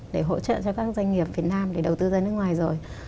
để hỗ trợ cho các doanh nghiệp việt nam để đầu tư ra nước ngoài rồi